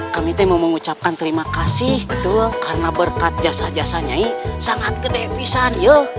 kami mau mengucapkan terima kasih karena berkat jasa jasa nyai sangat gede pisan